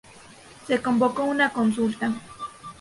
Se convocó una consulta.